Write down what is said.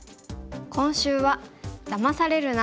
今週は「だまされるな！